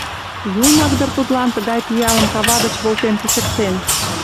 Юмак дыр тудлан тыгай пиалым кава гыч волтен кучыктен!..